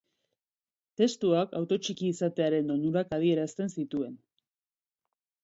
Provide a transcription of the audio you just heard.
Testuak auto txiki izatearen onurak adierazten zituen.